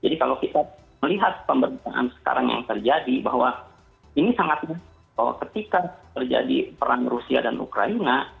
jadi kalau kita melihat pemberitaan sekarang yang terjadi bahwa ini sangat ketika terjadi perang rusia dan ukraina